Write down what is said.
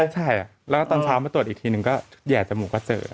ใช่แล้วตอนเช้ามาตรวจอีกทีนึงก็แห่จมูกก็เจอ